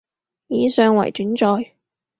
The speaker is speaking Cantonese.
以上為轉載